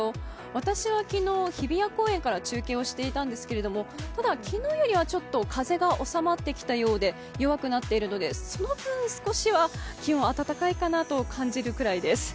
私は昨日、日比谷公園から中継をしていたんですけれども、ただ、昨日よりは風が収まって弱くなってきているようで、その分少しは気温、暖かいかなと感じるぐらいです。